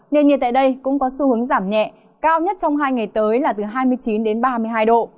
nền nhiệt tại đây cũng có xu hướng giảm nhẹ cao nhất trong hai ngày tới là từ hai mươi chín đến ba mươi hai độ